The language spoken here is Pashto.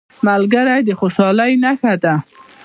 ملګری د خوشحالۍ نښه ده